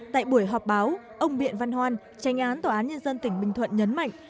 tại buổi họp báo ông biện văn hoan tranh án tòa án nhân dân tỉnh bình thuận nhấn mạnh